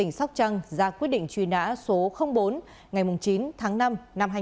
tỉnh sóc trăng ra quyết định truy nã số bốn ngày chín tháng năm năm hai nghìn một mươi